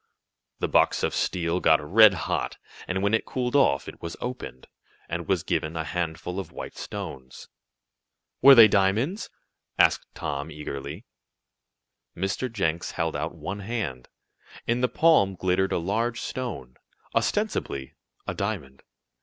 The box of steel got red hot, and when it cooled off it was opened, and was given a handful of white stones. "Were they diamonds?" asked Tom, eagerly. Mr. Jenks held out one hand. In the palm glittered a large stone ostensibly a diamond.